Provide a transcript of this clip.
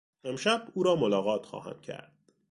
امشب او را ملاقات خواهم کرد.